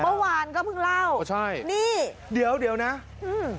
เมื่อวานก็เพิ่งเล่าอ๋อใช่นี่เดี๋ยวเดี๋ยวนะอืม